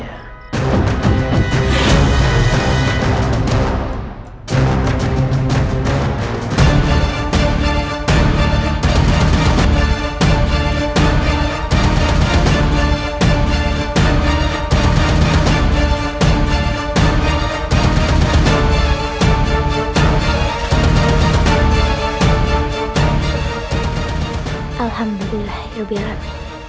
alhamdulillah ya berani